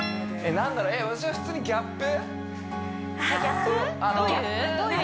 何だろう私は普通にあギャップどういう？